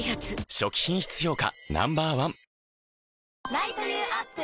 初期品質評価